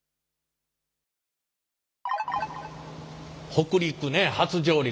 北陸ね初上陸。